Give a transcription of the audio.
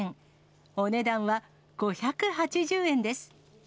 お値段は５８０円です。